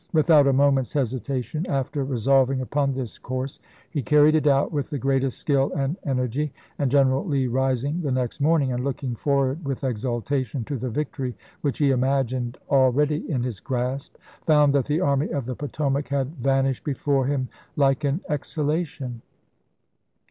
Without a moment's hesitation, after resolving upon this course, he carried it out with the greatest skill and energy ; and General Lee rising the next morning, and looking forward with exultation to the victory which he imagined already in his grasp, found that the Army of the Potomac had vanished from before him like an exhalation.